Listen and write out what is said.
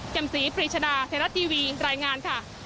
แก่มสีปริชดาแสนรัสทีวีรายงาน